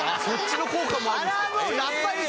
そっちの効果もあるんですか。